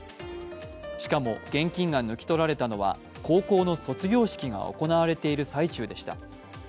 しかも現金が抜き取られたのは、高校の卒業式が行われている最中でした。